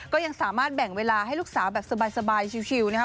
ก็ยังสามารถแบ่งเวลาให้ลูกสาวแบบสบายชิวนะครับ